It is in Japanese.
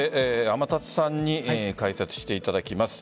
天達さんに解説していただきます。